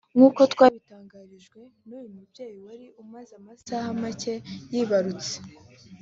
nk'uko twabitangarijwe n'uyu mubyeyi wari umaze amasaha make yibarutse